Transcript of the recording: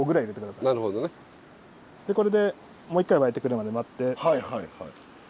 これでもう一回沸いてくるまで待ってそ